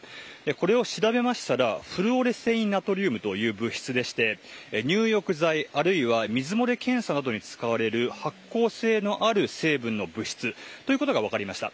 これを調べましたらフルオレセインナトリウムという物質でして入浴剤、あるいは水漏れ検査などに行われる発光性のある製品の物質であるということが分かりました。